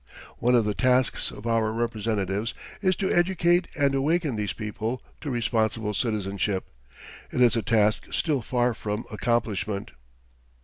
One of the tasks of our representatives is to educate and awaken these people to responsible citizenship. It is a task still far from accomplishment.